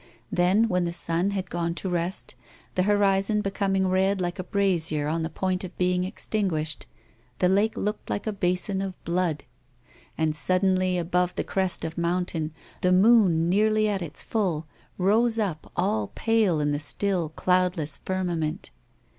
Then, when the sun had gone to rest, the horizon becoming red like a brasier on the point of being extinguished, the lake looked like a basin of blood. And suddenly above the crest of mountain, the moon nearly at its full rose up all pale in the still, cloudless firmament.